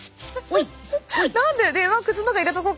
おい！